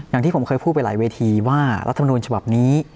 อย่างที่ผมเคยพูดไปหลายเวทีว่ารัฐมนูลฉบับนี้